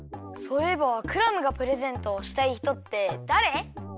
そういえばクラムがプレゼントをしたいひとってだれ？